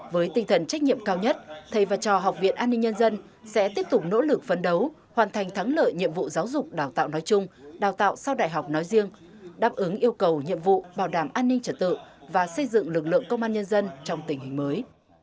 với tinh thần trách nhiệm cao nhất thầy và trò học viện an ninh nhân dân sẽ tiếp tục nỗ lực phấn đấu hoàn thành thắng lợi nhiệm vụ giáo dục đào tạo nói chung đào tạo sau đại học nói riêng đáp ứng yêu cầu nhiệm vụ bảo đảm an ninh trật tự và xây dựng lực lượng công an nhân dân trong tình hình mới